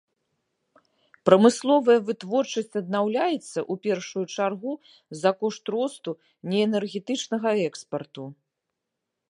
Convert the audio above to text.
Прамысловая вытворчасць аднаўляецца, у першую чаргу, за кошт росту неэнергетычнага экспарту.